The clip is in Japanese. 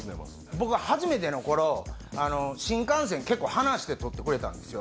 僕初めての頃新幹線結構離して取ってくれたんですよ。